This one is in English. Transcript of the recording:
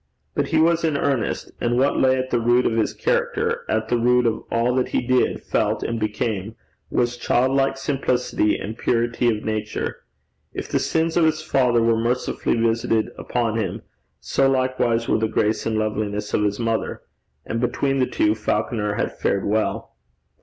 But he was in earnest, and what lay at the root of his character, at the root of all that he did, felt, and became, was childlike simplicity and purity of nature. If the sins of his father were mercifully visited upon him, so likewise were the grace and loveliness of his mother. And between the two, Falconer had fared well.